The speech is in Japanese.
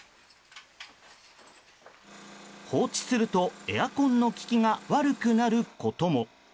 放置するとエアコンの効きが悪くなることも。